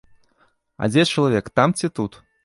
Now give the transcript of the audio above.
А дзе чалавек, там ці тут?